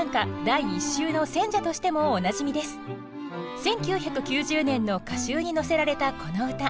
１９９０年の歌集に載せられたこの歌。